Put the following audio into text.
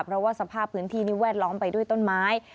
เพราะว่าสภาพพื้นที่นี่แวดล้อมไปด้วยต้นไม้